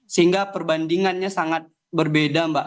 sehingga perbandingannya sangat berbeda mbak